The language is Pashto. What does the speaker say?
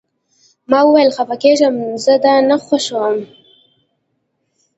ما وویل: خفه کیږم، زه دا نه خوښوم.